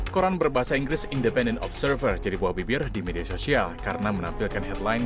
koran berbahasa inggris independent observer jadi buah bibir di media sosial karena menampilkan headline